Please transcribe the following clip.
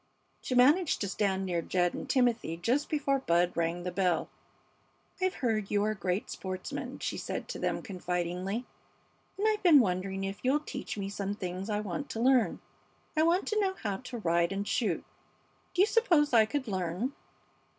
She managed to stand near Jed and Timothy just before Bud rang the bell. "I've heard you are great sportsmen," she said to them, confidingly. "And I've been wondering if you'll teach me some things I want to learn? I want to know how to ride and shoot. Do you suppose I could learn?"